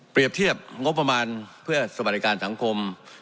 เปรียบเทียบงบประมาณเพื่อสบายการสังคม